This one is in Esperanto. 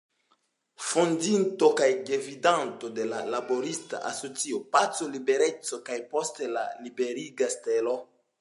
Fondinto kaj gvidanto de la laborista asocio "Paco Libereco", kaj poste de "Liberiga Stelo".